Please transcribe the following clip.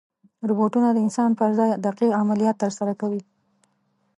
روبوټونه د انسان پر ځای دقیق عملیات ترسره کوي.